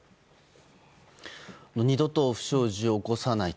二度と不祥事を起こさない。